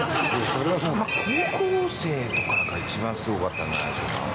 高校生のころが、一番すごかったんじゃないでしょうか。